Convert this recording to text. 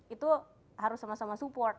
itu harus sama sama support